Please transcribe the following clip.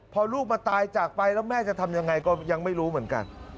พอลูกมาตายจากไปแล้วแม่จะทำยังไงก็ยังไม่รู้เหมือนกัน